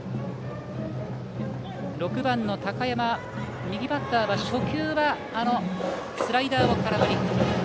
６番の高山、右バッターは初球はスライダーを空振り。